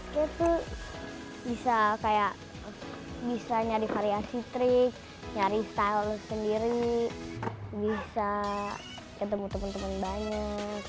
saya tuh bisa kayak bisa nyari variasi trik nyari style sendiri bisa ketemu teman teman banyak